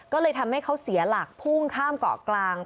ก็เลยทำให้เขาเสียหลักพุ่งข้ามเกาะกลาง